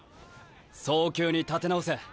早急に立て直せ。